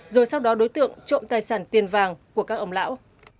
rồi sau đó đối tượng trộm tài sản tiền vàng của các ông lão